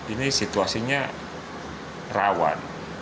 ini situasinya rawan